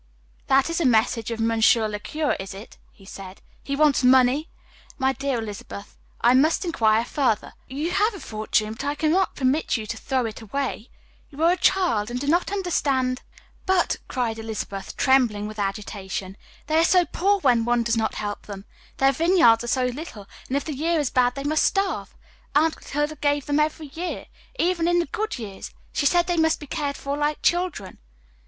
"That is the message of monsieur le curé, is it?" he said. "He wants money! My dear Elizabeth, I must inquire further. You have a fortune, but I cannot permit you to throw it away. You are a child, and do not understand " [Illustration: "UNCLE BERTRAND," SAID THE CHILD, CLASPING HER HANDS.] "But," cried Elizabeth, trembling with agitation, "they are so poor when one does not help them: their vineyards are so little, and if the year is bad they must starve. Aunt Clotilde gave to them every year even in the good years. She said they must be cared for like children."